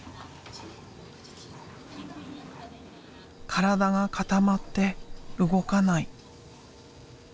体が固まって動かない。